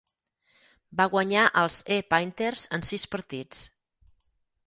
Van guanyar als E-Painters en sis partits.